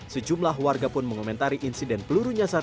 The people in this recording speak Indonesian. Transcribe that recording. sejumlah warga pun mengomentari insiden peluru nyasar